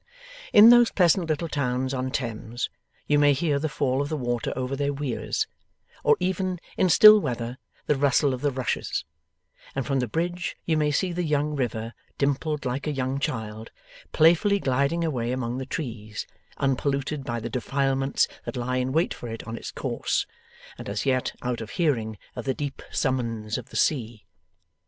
In those pleasant little towns on Thames, you may hear the fall of the water over the weirs, or even, in still weather, the rustle of the rushes; and from the bridge you may see the young river, dimpled like a young child, playfully gliding away among the trees, unpolluted by the defilements that lie in wait for it on its course, and as yet out of hearing of the deep summons of the sea.